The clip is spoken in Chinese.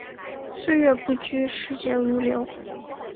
岁月不居，时节如流。